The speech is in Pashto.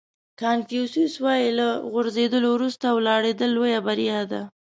کانفیوسیس وایي له غورځېدلو وروسته ولاړېدل لویه بریا ده.